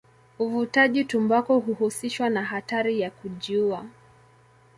Uvutaji tumbaku huhusishwa na hatari ya kujiua.